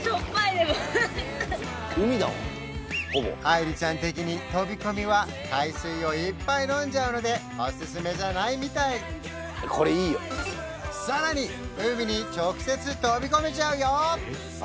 あいりちゃん的に飛び込みは海水をいっぱい飲んじゃうのでおすすめじゃないみたいさらに海に直接飛び込めちゃうよ